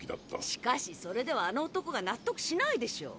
しかしそれではあの男が納得しないでしょう。